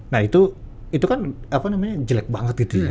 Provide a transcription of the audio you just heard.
nah itu kan jelek banget gitu ya